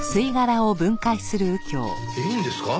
いいんですか？